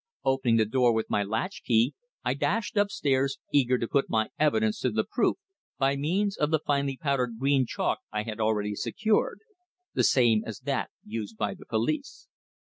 Opening the door with my latch key, I dashed upstairs, eager to put my evidence to the proof by means of the finely powdered green chalk I had already secured the same as that used by the police.